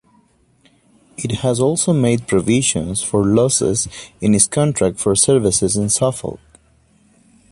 It has also made provisions for losses in its contract for services in Suffolk.